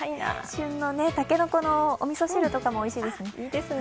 旬のタケノコのおみそ汁とかもおいしいですね。